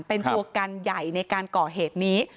เป็นตัวกันใหญ่ในการก่อเหตุนี้